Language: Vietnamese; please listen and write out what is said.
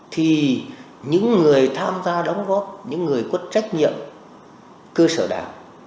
thì những người tham gia đóng góp những người có trách nhiệm cơ sở đảng